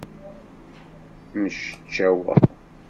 Mceččaweɣ.